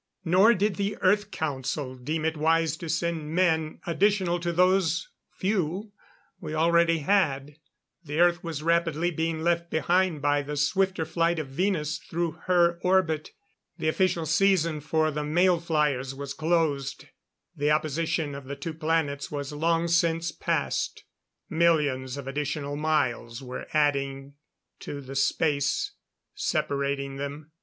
Nor did the Earth Council deem it wise to send men additional to those few we already had. The Earth was rapidly being left behind by the swifter flight of Venus through her orbit. The official season for the mail flyers was closed. The opposition of the two planets was long since passed; millions of additional miles were adding to the space separating them.